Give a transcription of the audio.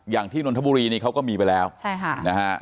อย่างที่นทบุรีนี้เขาก็มีไปแล้วใช่ค่ะ